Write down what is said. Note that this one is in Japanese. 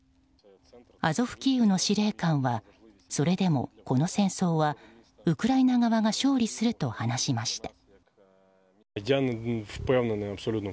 アゾフ・キーウの司令官はそれでも、この戦争はウクライナ側が勝利すると話しました。